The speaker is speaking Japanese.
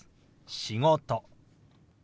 「仕事」。